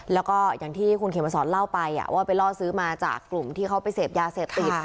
แล้วก็อย่างที่คุณเขมสอนเล่าไปว่าไปล่อซื้อมาจากกลุ่มที่เขาไปเสพยาเสพติด